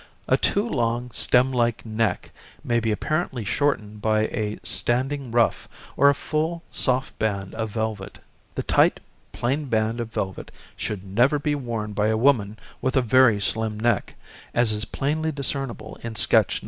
A too long, stem like neck may be apparently shortened by a standing ruff or a full, soft band of velvet. The tight, plain band of velvet should never be worn by a woman with a very slim neck, as is plainly discernible in sketch No.